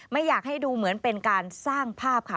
ไม่อยากให้ดูเหมือนเป็นการสร้างภาพค่ะ